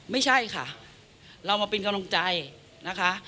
ไม่ใช่ค่ะเรามาเป็นกำลังใจนะคะ